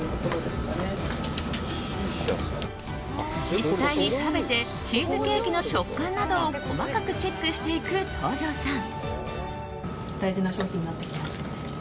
実際に食べてチーズケーキの食感などを細かくチェックしていく東條さん。